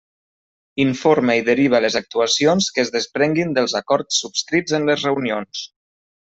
Informa i deriva les actuacions que es desprenguin dels acords subscrits en les reunions.